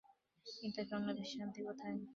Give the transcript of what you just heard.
কিন্তু আজ বাংলাদেশে শান্তি কোথায়?